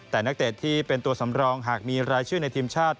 แต่นักเตะที่เป็นตัวสำรองหากมีรายชื่อในทีมชาติ